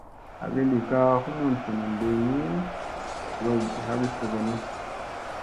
Agi li ka humun vunun di ni yowgi hagi fogonu.